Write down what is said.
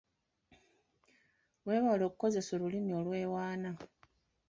Weewale okukozesa olulimi lwewaana.